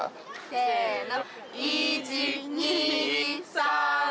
せの！